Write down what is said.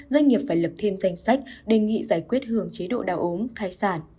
doanh nghiệp phải lập thêm danh sách đề nghị giải quyết hưởng chế độ đào ốm thai sản